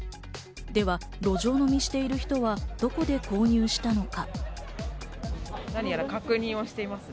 では路上飲みしている人はどこで購入したのか。